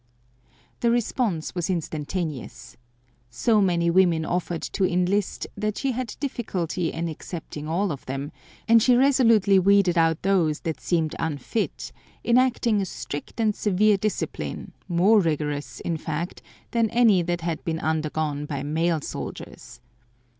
The response was instantaneous. So many women offered to enlist that she had difficulty in accepting all of them, and she resolutely weeded out those that seemed unfit, enacting a strict and severe discipline, more rigorous, in fact, than any that had been undergone by the male soldiers.